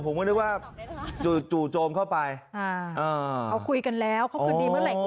ผมก็นึกว่าจู่จมเข้าไปอาเขาคุยกันแล้วเขาคืนดีเดียว